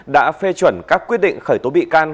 đã phê chuẩn các quyết định khởi tố bị can